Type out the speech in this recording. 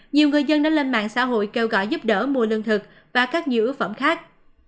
nhiều người dân đã lên mạng xã hội kêu gọi giúp đỡ mua lương thực và các nhu yếu phẩm khác